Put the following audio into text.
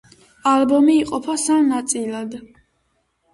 ალბომი იყოფა სამ ნაწილად.